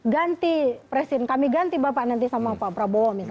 ganti presiden kami ganti bapak nanti sama pak prabowo misalnya